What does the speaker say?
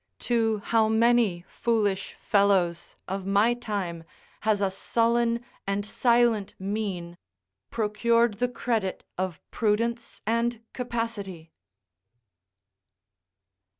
To how many foolish fellows of my time has a sullen and silent mien procured the credit of prudence and capacity!